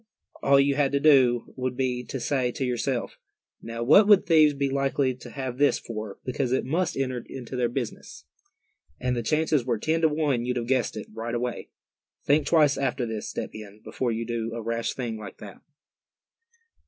All you had to do would be to say to yourself, 'now, what would thieves be likely to have this for, because it must enter into their business?' and the chances were ten to one you'd have guessed it, right away. Think twice after this, Step Hen, before you do a rash thing like that."